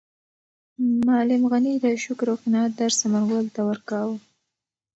معلم غني د شکر او قناعت درس ثمرګل ته ورکاوه.